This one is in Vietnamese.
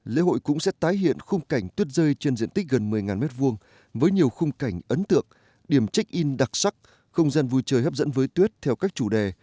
lễ hội cũng sẽ tái hiện khung cảnh tuyết rơi trên diện tích gần một mươi m hai với nhiều khung cảnh ấn tượng điểm check in đặc sắc không gian vui chơi hấp dẫn với tuyết theo các chủ đề